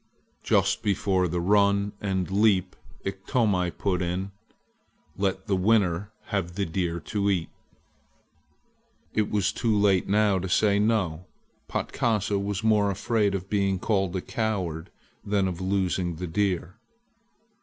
Just before the run and leap Iktomi put in: "Let the winner have the deer to eat!" It was too late now to say no. Patkasa was more afraid of being called a coward than of losing the deer.